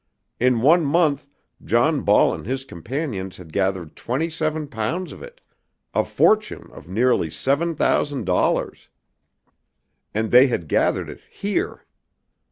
In one month John Ball and his companions had gathered twenty seven pounds of it, a fortune of nearly seven thousand dollars! And they had gathered it here!